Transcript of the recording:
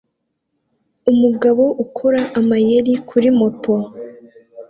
umugabo ukora amayeri kuri moto